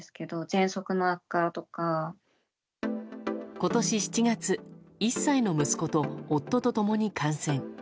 今年７月１歳の息子と夫と共に感染。